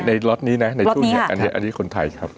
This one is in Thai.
ล็อตนี้นะในช่วงนี้อันนี้คนไทยครับ